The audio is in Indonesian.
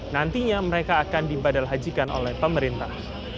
nantinya mereka akan dibadalhajikan oleh pemerintah